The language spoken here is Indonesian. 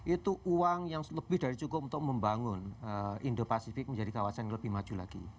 itu uang yang lebih dari cukup untuk membangun indo pasifik menjadi kawasan yang lebih maju lagi